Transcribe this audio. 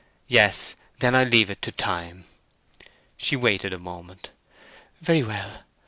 "Yes, then I'll leave it to time." She waited a moment. "Very well.